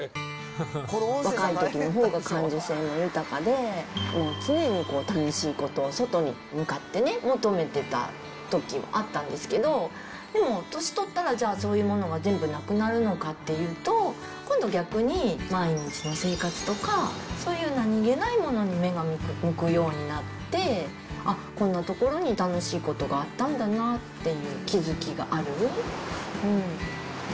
若いときのほうが感受性も豊かで、常に楽しいことを外に向かってね、求めてたときもあったんですけど、でも年取ったらじゃあ、そういうものが全部なくなるのかっていうと、今度逆に、毎日の生活とか、そういう何気ないものに目が向くようになって、あっ、こんなところに楽しいことがあったんだなっていう気付きがある。